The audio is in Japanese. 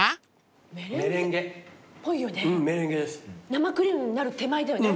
生クリームになる手前だよね。